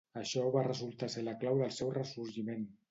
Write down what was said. Això va resultar ser la clau del seu ressorgiment.